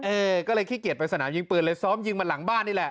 เออก็เลยขี้เกียจปริศนายิงปืนเลยซ้อมยิงมาหลังบ้านนี่แหละ